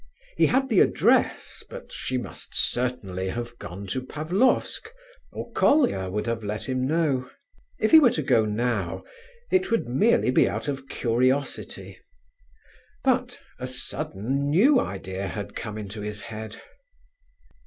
He had the address, but she must certainly have gone to Pavlofsk, or Colia would have let him know. If he were to go now, it would merely be out of curiosity, but a sudden, new idea had come into his head.